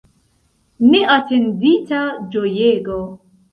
Neatendita ĝojego!